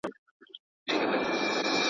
سياسي چارو ته پوره ځير واوسئ.